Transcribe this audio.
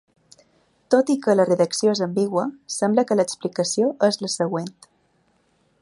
Tot i que la redacció és ambigua, sembla que l’explicació és la següent.